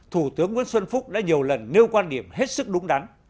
thủ tướng nguyễn xuân phúc đã nhiều lần nêu quan điểm hết sức đúng đắn